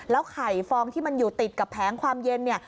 แล้วไข่ฟองที่มันอยู่ติดกับแผงความเย็น